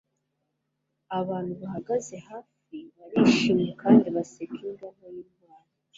abantu bahagaze hafi barishimye kandi baseka imbwa nto yintwari